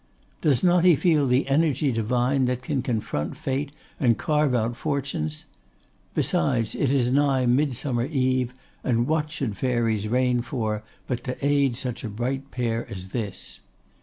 Does not he feel the energy divine that can confront Fate and carve out fortunes? Besides it is nigh Midsummer Eve, and what should fairies reign for but to aid such a bright pair as this?